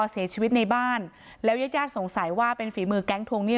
เสียชีวิตในบ้านแล้วยาดสงสัยว่าเป็นฝีมือแก๊งทวงหนี้